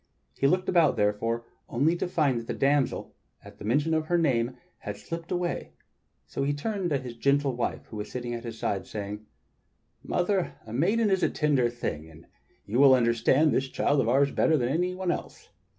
He looked about, therefore, only to find that the damsel, at mention of her name, had slipped away; so he turned to his gentle wife who was sitting at his side, saying: "Mother, a maiden is a tender thing, and you will understand this child of ours better than any one else.